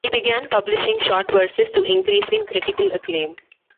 He began publishing short verses to increasing critical acclaim.